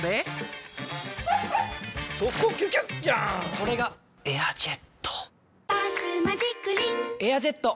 それが「エアジェット」「バスマジックリン」「エアジェット」！